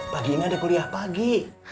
pagi ini ada kuliah pagi